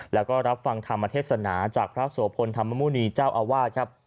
และก็รับฟังธรรมเทศสนาจากพระสโภนธรรมมุณีเจ้าอาวาส